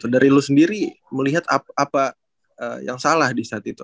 dari lo sendiri melihat apa yang salah disaat itu